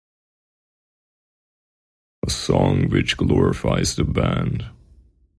A song, which glorifies the band.